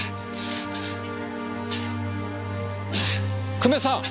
久米さん！